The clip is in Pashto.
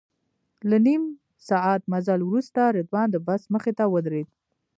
له نیم ساعت مزل وروسته رضوان د بس مخې ته ودرېد.